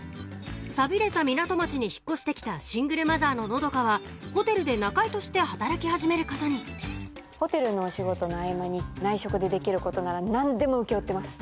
寂れた港町に引っ越して来たシングルマザーの和佳はホテルで仲居として働き始めることにホテルのお仕事の合間に内職でできることなら何でも請け負ってます。